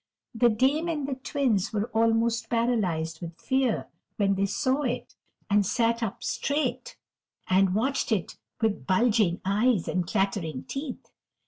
The Dame and the Twins were almost paralyzed with fear when they saw it, and sat up straight and watched it with bulging eyes and chattering teeth.